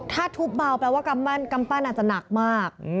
ถ้าทุบเบาแปลว่ากำปั้นอาจจะหนักมาก